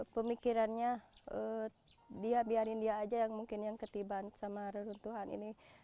pemikirannya dia biarin dia aja yang mungkin yang ketiban sama reruntuhan ini